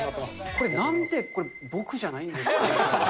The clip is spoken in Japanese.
なんでこれ、僕じゃないんですかね？